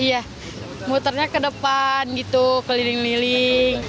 iya muternya ke depan gitu keliling liling